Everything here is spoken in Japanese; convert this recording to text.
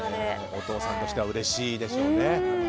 お父さんとしてはうれしいでしょうね。